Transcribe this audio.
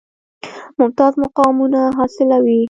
ممتاز مقامونه حاصلوي.